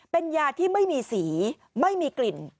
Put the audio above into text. เป็นยาที่ไม่มีสีไม่มีกลิ่น